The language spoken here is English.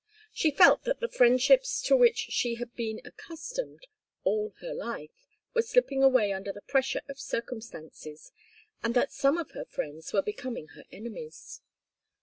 She felt that the friendships to which she had been accustomed all her life were slipping away under the pressure of circumstances, and that some of her friends were becoming her enemies.